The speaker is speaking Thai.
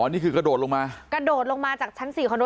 นี่คือกระโดดลงมากระโดดลงมาจากชั้นสี่ของหนู